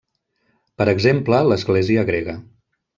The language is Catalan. Per exemple, l'església grega.